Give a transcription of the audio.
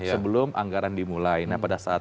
sebelum anggaran dimulai nah pada saat